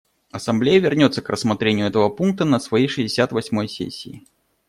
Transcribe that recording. Ассамблея вернется к рассмотрению этого пункта на своей шестьдесят восьмой сессии.